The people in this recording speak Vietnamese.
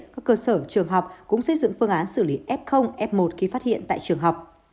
các cơ sở trường học cũng xây dựng phương án xử lý f f một khi phát hiện tại trường học